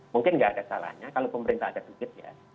mungkin nggak ada salahnya kalau pemerintah ada sedikit ya